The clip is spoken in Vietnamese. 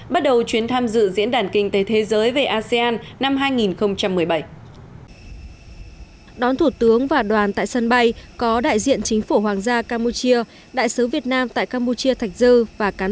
bắt đầu chuyến đoàn đại biểu cấp cao việt nam